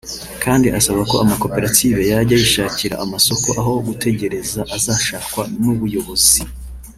kandi asaba ko amakoperative yajya yishakira amasoko aho gutegereza azashakwa n’ubuyobozi